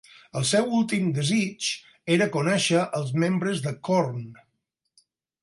El seu últim desig era conèixer els membres de Korn.